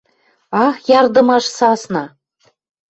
«Ах, ярдымаш сасна!